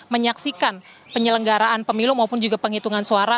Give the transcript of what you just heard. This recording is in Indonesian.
menyaksikan penyelenggaraan pemilu maupun juga penghitungan suara